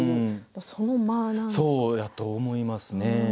そうだと思いますね。